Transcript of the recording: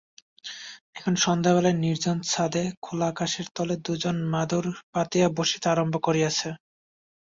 এখন সন্ধ্যাবেলায় নির্জন ছাদে খোলা আকাশের তলে দুজনে মাদুর পাতিয়া বসিতে আরম্ভ করিয়াছে।